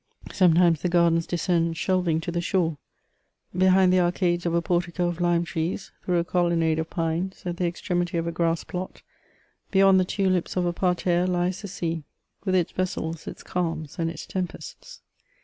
Sometimes the gardens descend shelving to the shore, behind the arcades of a portico of lime trees, through a colonnade of pines, at the extremity of a grass plot ; beyond the tulips of a parterre lies the sea, with its vessels, its calms, and its tempests.